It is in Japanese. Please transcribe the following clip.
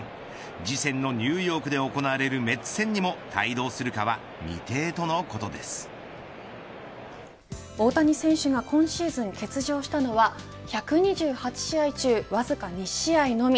次戦のニューヨークで行われるメッツ戦にも大谷選手が今シーズン欠場したのは１２８試合中わずか２試合のみ。